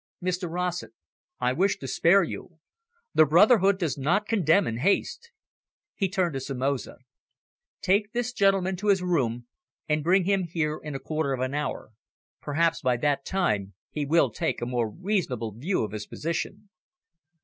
"Mr Rossett, I wish to spare you. The brotherhood does not condemn in haste." He turned to Somoza. "Take this gentleman to his room, and bring him here in a quarter of an hour. Perhaps, by that time, he will take a more reasonable view of his position."